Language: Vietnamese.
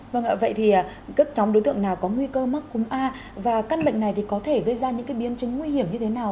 vâng ạ vậy thì các nhóm đối tượng nào có nguy cơ mắc cúm a và căn bệnh này thì có thể gây ra những biến chứng nguy hiểm như thế nào